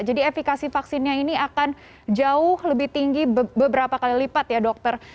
jadi efekasi vaksinnya ini akan jauh lebih tinggi beberapa kali lipat ya dokter